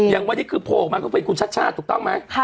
อย่างวันนี้คือโพลออกมาก็เป็นคุณชาติชาติถูกต้องไหม